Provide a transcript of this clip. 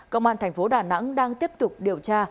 công an thành phố đà nẵng đang tiếp tục điều tra